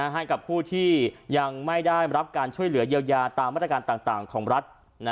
ให้กับผู้ที่ยังไม่ได้รับการช่วยเหลือเยียวยาตามมาตรการต่างของรัฐ